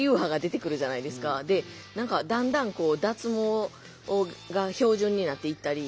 だんだん脱毛が標準になっていったり。